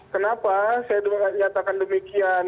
kenapa saya menyatakan demikian